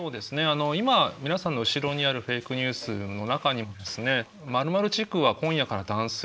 あの今皆さんの後ろにあるフェイクニュースの中にもですね「○○地区は今夜から断水。